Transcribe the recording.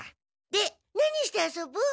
で何して遊ぶ？